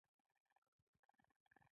دا هر څه د کمپیوټر پر الگوریتمونو ولاړ دي.